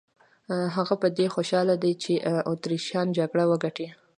هغه په دې خوشاله دی چې اتریشیان جګړه وګټي.